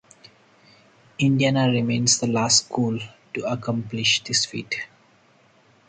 Indiana remains the last school to accomplish this feat.